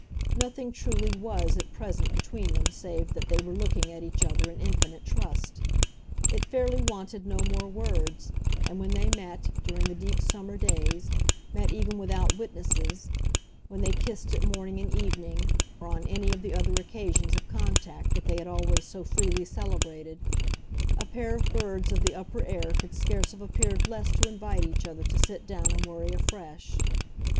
Nothing, truly, WAS at present between them save that they were looking at each other in infinite trust; it fairly wanted no more words, and when they met, during the deep summer days, met even without witnesses, when they kissed at morning and evening, or on any of the other occasions of contact that they had always so freely celebrated, a pair of birds of the upper air could scarce have appeared less to invite each other to sit down and worry afresh.